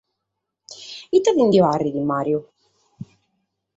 Ite ti nde paret Mario?